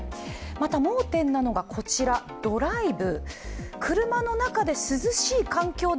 また、盲点なのがドライブ。